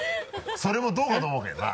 それもどうかと思うけどな。